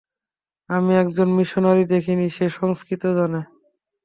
আমি একজনও মিশনারী দেখিনি, যে সংঙ্কৃত জানে।